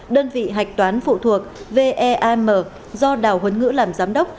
đơn vị hạch toán phụ thuộc veam do đào huấn ngữ làm giám đốc